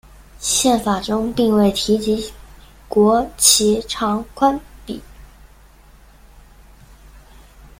宪法中并未提及国旗长宽比。